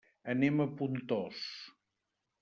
Anem a Pontós.